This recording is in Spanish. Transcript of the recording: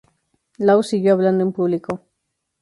Law siguió hablando en público.